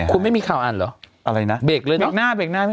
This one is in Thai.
คุณไม่มีข่าวอ่านเหรออะไรนะเบรกเลยเบรกหน้าเบรกหน้าไม่มี